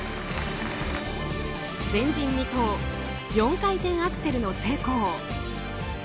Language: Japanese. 前人未到、４回転アクセルの成功。